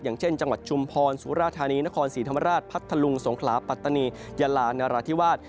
อย่างเช่นจังหวัดชุมพรสุราธานีนครศรีธรรมราชพัทธลุงสงขลาปัตตานียาลานราธิวาส